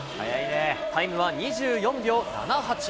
タイムは２４秒７８。